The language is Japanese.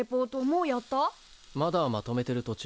まだまとめてる途中。